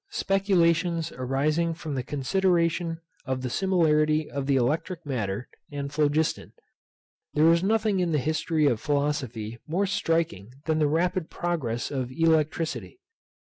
Speculations arising from the consideration of the similarity of the ELECTRIC MATTER and PHLOGISTON. There is nothing in the history of philosophy more striking than the rapid progress of electricity.